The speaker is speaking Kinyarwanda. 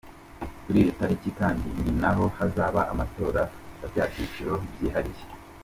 Kuri iyo tariki kandi ni naho hazaba amatora ya bya byiciro byihariye.